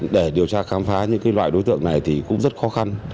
để điều tra khám phá những loại đối tượng này thì cũng rất khó khăn